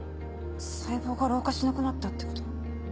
細胞が老化しなくなったってこと？